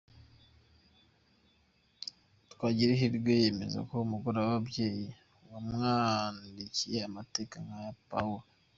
Twagirihirwe yemeza ko umugoroba w’ababyeyi wamwandikiye amateka nk’aya Pawulo.